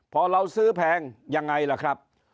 พอเราซื้อแพงยังไงล่ะครับ